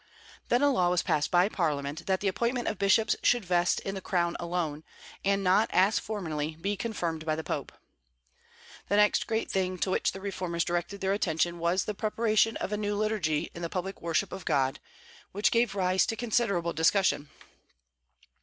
Then a law was passed by Parliament that the appointment of bishops should vest in the Crown alone, and not, as formerly, be confirmed by the Pope. The next great thing to which the reformers directed their attention was the preparation of a new liturgy in the public worship of God, which gave rise to considerable discussion.